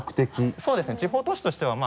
そうですね地方都市としてはまぁ。